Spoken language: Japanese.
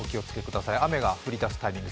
雨が降りだすタイミング